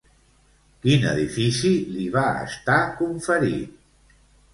Quin edifici li va estar conferit?